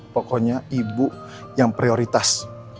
pokoknya ibu yang prioritas